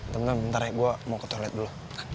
temen temen bentar ya gue mau ke toilet dulu